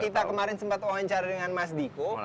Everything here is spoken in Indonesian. karena kemarin sempat wawancara dengan mas diko